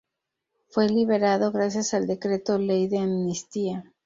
Fue liberada gracias al decreto-ley de amnistía.